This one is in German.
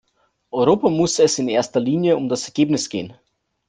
Europa muss es in erster Linie um das Ergebnis gehen.